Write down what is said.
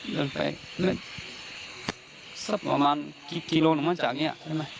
เดินไปประมาณกิโลหนึ่งมาจากเนี่ย